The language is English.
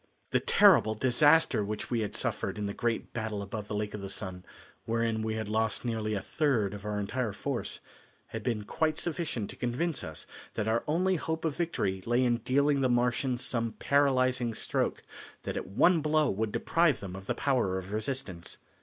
The terrible disaster which we had suffered in the great battle above the Lake of the Sun, wherein we had lost nearly a third of our entire force, had been quite sufficient to convince us that our only hope of victory lay in dealing the Martians some paralyzing stroke that at one blow would deprive them of the power of resistance.